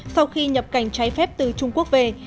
sau khi nhập cảnh trái phép từ trung quốc về